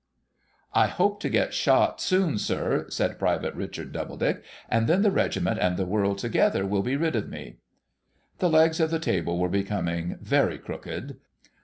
' I hope to get shot soon, sir,' said Private Richard Doubledick ;' and then the regiment and the world together will be rid of me.' The legs of the table were becoming very crooked.